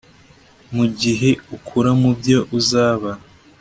mugihe ukura mubyo uzaba